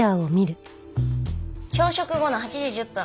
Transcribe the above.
朝食後の８時１０分